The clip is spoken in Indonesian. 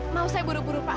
mau saya buru buru pak